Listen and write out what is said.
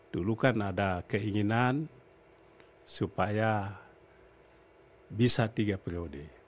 dulu kan ada keinginan supaya bisa tiga periode